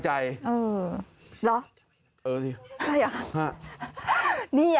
แบบนี้เลย